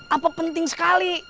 apa penting sekali